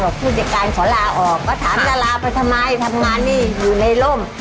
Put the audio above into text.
ผู้จัดการขอลาออกก็ถามดาราไปทำไมทำงานนี่อยู่ในร่ม